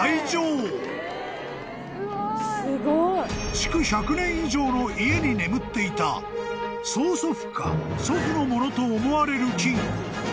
［築１００年以上の家に眠っていた曽祖父か祖父のものと思われる金庫］